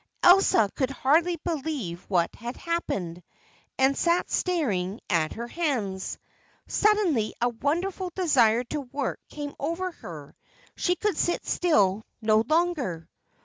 Elsa could hardly believe what had happened, and sat staring at her hands. Suddenly a wonderful desire to work came over her. She could sit still no longer.